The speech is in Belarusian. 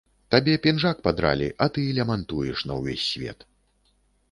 Табе пінжак падралі, а ты лямантуеш на ўвесь свет.